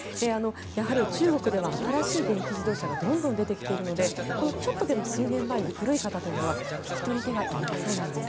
やはり中国では新しい電気自動車がどんどん出てきているのでちょっとでも数年前の古い型は引き取り手がいないそうです。